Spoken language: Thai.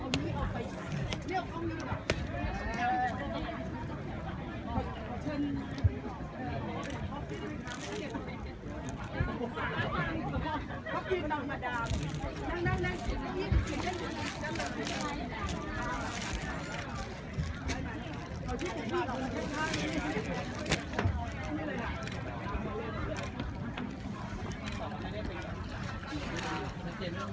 หรือเพียงปีฝรั่งในเยนพุทธหรือตัอยละตัวเอาตัวเขาเอง